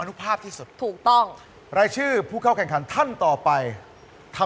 คุณปีโป้ได้ตระก้าพลาสติก